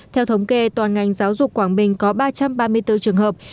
theo thống kê toàn ngành giáo dục quảng bình có ba trăm ba mươi bốn trường hợp